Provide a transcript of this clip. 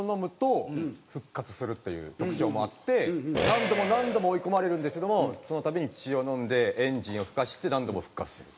何度も何度も追い込まれるんですけどもそのたびに血を飲んでエンジンをふかして何度も復活する。